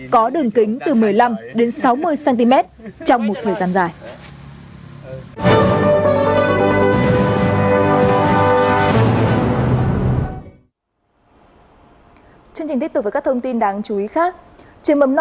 có đường kính từ một mươi năm đến sáu mươi cm